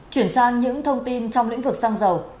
chuyển sang những thông tin trong lĩnh vực xăng dầu